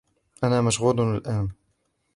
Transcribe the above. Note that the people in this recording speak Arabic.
أنا مشغول الأن.